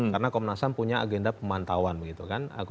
karena komnas ham punya agenda pemantauan begitu kan